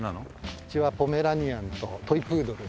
うちはポメラニアンとトイ・プードルですね。